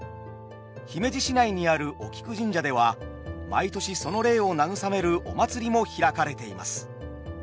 姫路市内にあるお菊神社では毎年その霊を慰めるお祭りも開かれています。